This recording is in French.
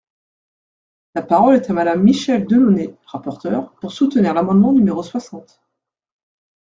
La parole est à Madame Michèle Delaunay, rapporteure, pour soutenir l’amendement numéro soixante.